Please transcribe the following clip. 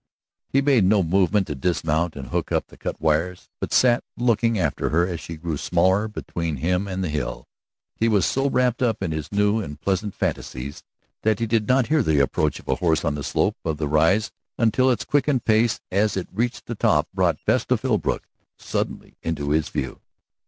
He made no movement to dismount and hook up the cut wires, but sat looking after her as she grew smaller between him and the hill. He was so wrapped in his new and pleasant fancies that he did not hear the approach of a horse on the slope of the rise until its quickened pace as it reached the top brought Vesta Philbrook suddenly into his view.